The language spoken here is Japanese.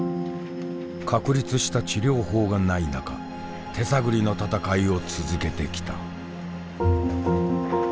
確立した治療法がない中手探りの闘いを続けてきた。